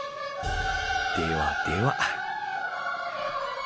ではでは。